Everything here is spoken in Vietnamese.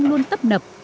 thăng long luôn tấp nập